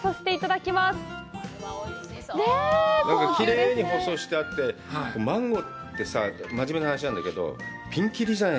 きれいに包装してあって、マンゴーってさ、真面目な話なんだけど、ピンキリじゃない？